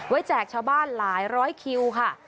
แจกชาวบ้านหลายร้อยคิวค่ะ